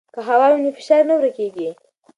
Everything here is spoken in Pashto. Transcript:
که هوا وي نو فشار نه ورکېږي.